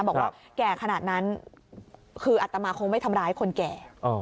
บอกว่าแก่ขนาดนั้นคืออัตมาคงไม่ทำร้ายคนแก่